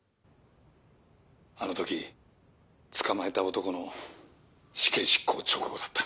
あの時捕まえた男の死刑執行直後だった。